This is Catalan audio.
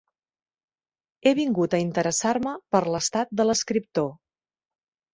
He vingut a interessar-me per l'estat de l'escriptor.